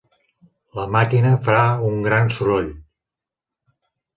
La màquina fa un gran soroll.